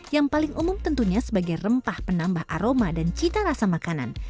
yang paling umum tentunya sebagai rempah penambah aroma dan cita rasa makanan